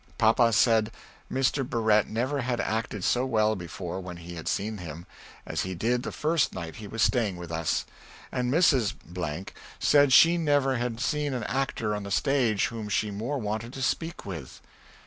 Papa said Mr. Barette never had acted so well before when he had seen him, as he did the first night he was staying with us. And Mrs. said she never had seen an actor on the stage, whom she more wanted to speak with.